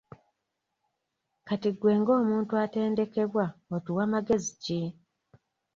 Kati gwe ng'omuntu atendekebwa otuwa magezi ki?